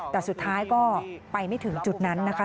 แต่สุดท้ายก็ไปไม่ถึงจุดนั้นนะคะ